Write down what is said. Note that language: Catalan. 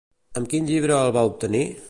Amb quin llibre el va obtenir?